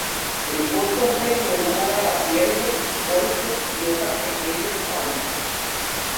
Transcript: El bosque ofrece un hogar a ciervos, corzos y otra pequeña fauna.